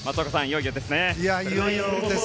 いよいよです。